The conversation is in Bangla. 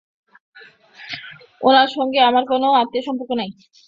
ওনার সঙ্গে আমার কোনো আত্মীয়সম্পর্ক নাই।